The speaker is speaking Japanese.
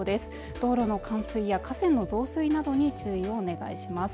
道路の冠水や河川の増水などに注意をお願いします